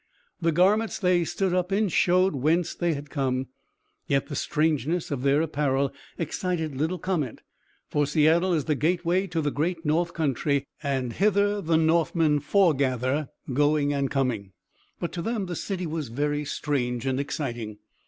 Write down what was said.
The garments they stood up in showed whence they had come; yet the strangeness of their apparel excited little comment, for Seattle is the gateway to the great North Country, and hither the Northmen foregather, going and coming. But to them the city was very strange and exciting.